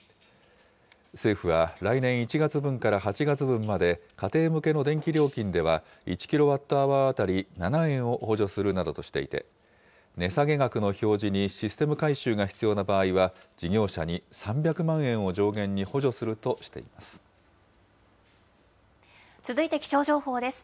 政府は来年１月分から８月分まで、家庭向けの電気料金では１キロワットアワー当たり７円を補助するなどとしていて、値下げ額の表示にシステム改修が必要な場合は、事業者に３００万続いて気象情報です。